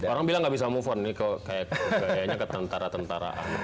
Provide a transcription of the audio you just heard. orang bilang tidak bisa move on nih kayaknya ke tentara tentaraan